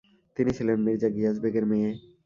তিনি ছিলেন মির্জা গিয়াস বেগের মেয়ে।